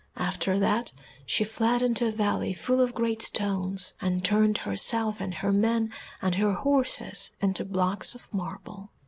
After that she fled into a valley full of great stones, and turned herself and her men and her horses into blocks of marble.